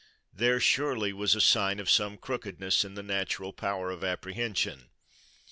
There, surely, was a sign of some crookedness in the natural power of apprehension.